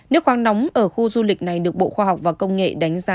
nước khoáng nóng ở khu du lịch này